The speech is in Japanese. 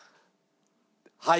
はい。